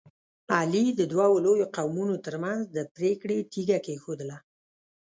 علي د دوو لویو قومونو ترمنځ د پرېکړې تیږه کېښودله.